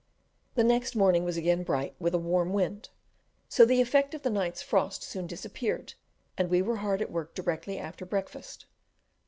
The next morning was again bright with a warm wind; so the effect of the night's frost soon disappeared, and we were hard at work directly after breakfast.